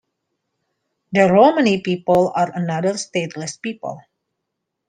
The Romani people are another stateless people.